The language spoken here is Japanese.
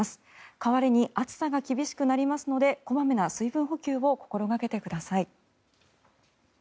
代わりに暑さが厳しくなりますので小まめな水分補給を心掛けてください。